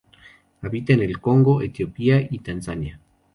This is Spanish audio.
Habita en el Congo, Etiopía y Tanzania.